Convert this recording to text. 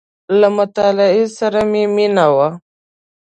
• له مطالعې سره مې مینه وه.